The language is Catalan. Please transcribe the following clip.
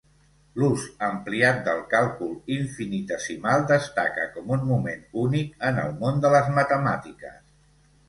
L'ús ampliat del càlcul infinitesimal destaca com un moment únic en el món de les matemàtiques.